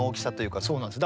そうなんです。